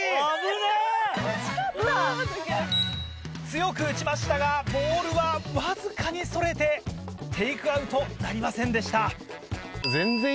・強く打ちましたがボールはわずかにそれてテイクアウトなりませんでした。